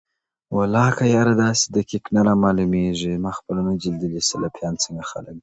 ولاکه یاره داسې دقیق نه رامعلومیژي ما خپله نه دي لیدلي سلفیان څنگه خلک دي